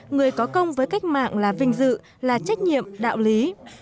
người có công với cách mạng là vinh dự là trách nhiệm đạo lý